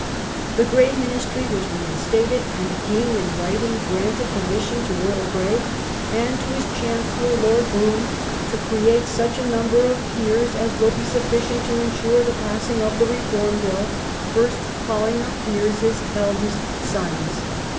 ^ The Grey Ministry was reinstated, and the King in writing granted permission to Earl Grey " and to his Chancellor Lord Brougham to create such a number of Peei s as will be sufficient to ensure the passing of the Reform Bill, first calling up Peers' eldest sons".